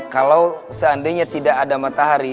kalau seandainya tidak ada matahari